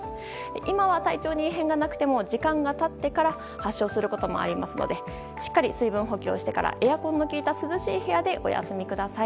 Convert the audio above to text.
今は体調に異変がなくても時間が経ってから発症することもありますのでしっかり水分補給をしてからエアコンの効いた涼しい部屋でお休みください。